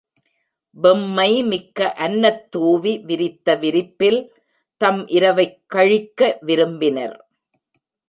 வெம்மைமிக்க அன்னத் தூவி விரித்த விரிப்பில் தம் இரவைக் கழிக்க விரும்பினர்.